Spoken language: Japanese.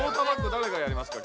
だれがやりますか？